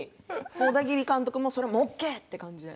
オダギリ監督もそれもオーケーって感じで？